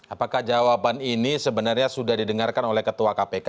apakah jawaban ini sebenarnya sudah didengarkan oleh ketua kpk